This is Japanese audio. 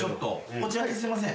こちらですいません。